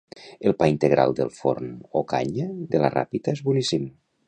El pa integral del forn Ocaña de la Ràpita és boníssim